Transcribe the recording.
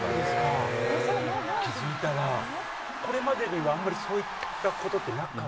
これまでも、あんまりそういったことはなかった？